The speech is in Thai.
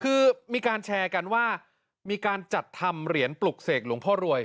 คือมีการแชร์กันว่ามีการจัดทำเหรียญปลุกเสกหลวงพ่อรวย